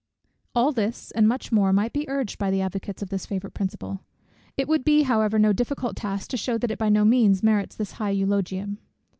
All this and much more might be urged by the advocates of this favourite principle. It would be however no difficult task to shew that it by no means merits this high eulogium.